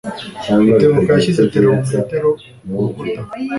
Rutebuka yashyize termometero kurukuta.